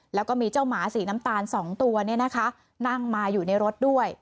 แล้วก็มีเจ้าหมาสีน้ำตาล๒ตัวนั่งมาอยู่ในรถด้วย